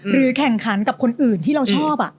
แข่งขันกับคนอื่นที่เราชอบ